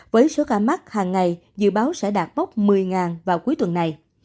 với số ca mắc hàng ngày dự báo sẽ đạt bốc một mươi vào cuối tuần này